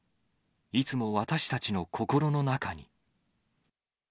いつも私たちの心の中に。